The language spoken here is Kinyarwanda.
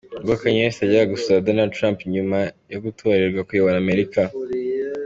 Ubwo Kanye West yajyaga gusura Donald Trump nyuma yo gutorerwa kuyobora Amerika.